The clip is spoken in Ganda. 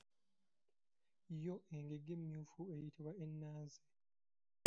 Yo engege emmyufu eyitibwa ennanze.